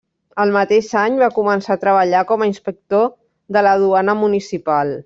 El mateix any va començar a treballar com a inspector de la duana municipal.